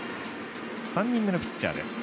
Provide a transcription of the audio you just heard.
３人目のピッチャーです。